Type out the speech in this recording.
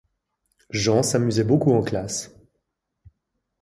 Jean s’amusait beaucoup en classe.